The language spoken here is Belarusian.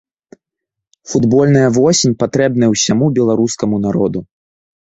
Футбольная восень патрэбна я ўсяму беларускаму народу.